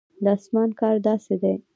د اسمان کار داسې دی.